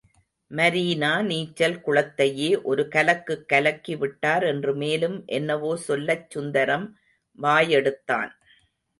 Marina நீச்சல் குளத்தையே ஒரு கலக்குக் கலக்கி விட்டார் என்று மேலும் என்னவோ சொல்லச் சுந்தரம் வாயெடுத்தான்.